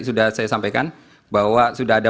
sudah saya sampaikan bahwa sudah ada